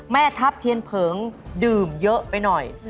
แม่ทัพเทียนเผิงดื่มเยอะไปหน่อย